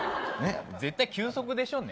絶対急速でしょうね。